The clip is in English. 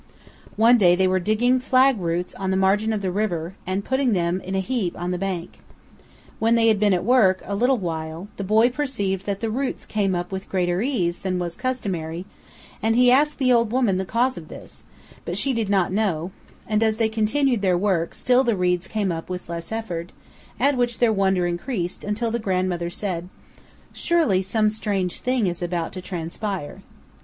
One day they were digging flag roots on the margin of the river and putting them in a heap on the bank. When they had been at work a little while, the boy perceived that the roots came up with greater ease than was customary and he asked the old woman the cause of this, 304 CANYONS OF THE COLORADO. but she did not know; and, as they continued their work, still the reeds came up with less effort, at which their wonder increased, until the grandmother said, "Surely, some strange thing is about to transpire."